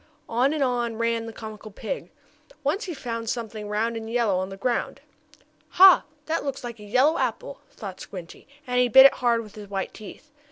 On and on ran the comical pig. Once he found something round and yellow on the ground. "Ha! That looks like a yellow apple," thought Squinty, and he bit it hard with his white teeth.